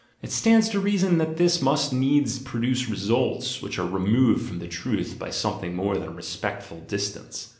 It stands to reason that this must needs produce results which are removed from the truth by something more than a respectful dis tance.